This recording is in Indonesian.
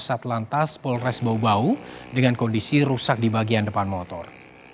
satlantas polres bau bau dengan kondisi rusak di bagian depan motor